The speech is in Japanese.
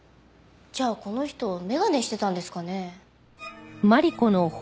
じゃあこの人眼鏡してたんですかね？